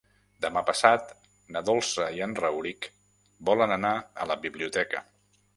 Demà passat na Dolça i en Rauric volen anar a la biblioteca.